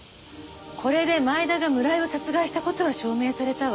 これで前田が村井を殺害した事は証明されたわ。